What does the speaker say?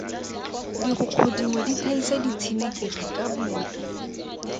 Digokgo dingwe di thaisa ditshenekegi ka bobi.